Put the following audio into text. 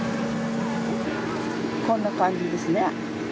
こんな感じですね。